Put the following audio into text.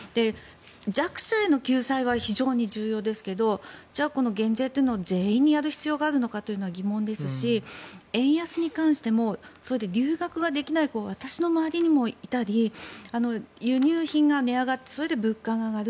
弱者への救済は非常に重要ですけどじゃあ減税というのを全員にやる必要があるかは疑問ですし円安に関してもそれで留学ができない子が私の周りにもいたり輸入品が値上がってそれで物価が上がる。